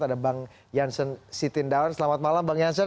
ada bang janssen sitindaun selamat malam bang janssen